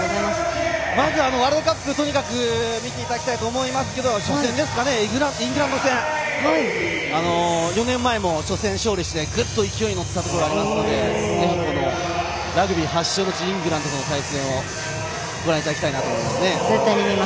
まず、ワールドカップ見ていただきたいと思いますけど初戦ですかね、イングランド戦。４年前も初戦に勝利して勢いに乗ったところがあるのでぜひ、このラグビー発祥の地イングランドとの対戦をご覧いただきたいなと思います。